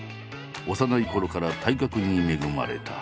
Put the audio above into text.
幼いころから体格に恵まれた。